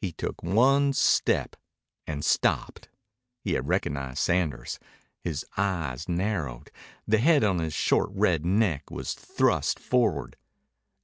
He took one step and stopped. He had recognized Sanders. His eyes narrowed. The head on his short, red neck was thrust forward.